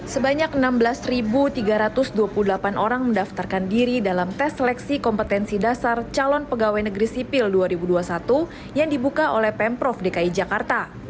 sebanyak enam belas tiga ratus dua puluh delapan orang mendaftarkan diri dalam tes seleksi kompetensi dasar calon pegawai negeri sipil dua ribu dua puluh satu yang dibuka oleh pemprov dki jakarta